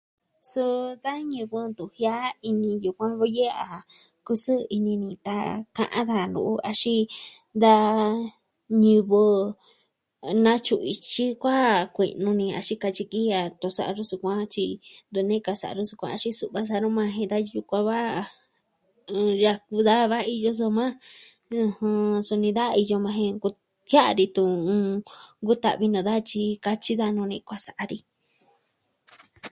Suu da ñivɨ ntu jiaa ini yukuan vi a ajan, kusɨɨ ini ni daa ka'an nu'u axin da... ñivɨ na tyu'un ityi yukuan kue'i nuu ni axin katyi ki tosa a ya'a sukuan tyi de ni kasa nuu sukuan tyi su'va sa'a nu majan jen da yukuan... iin yaku daja da iyo soma ɨjɨn... suni da iyo maa jen nku... jia'a ni tun nkuta'vi nuu daja tyi katyi daja nuu ni kuaa sa'a ni.